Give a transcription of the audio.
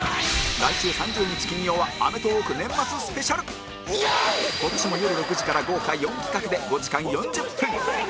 来週３０日金曜は『アメトーーク』年末スペシャル今年もよる６時から豪華４企画で５時間４０分